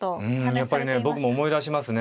やっぱりね僕も思い出しますね。